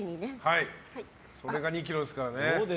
それが２ｋｇですからね。